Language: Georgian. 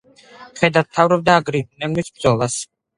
მხედართმთავრობდა აგრიგენტუმის ბრძოლას.